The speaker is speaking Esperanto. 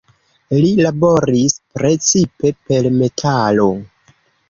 Li laboris precipe per metalo.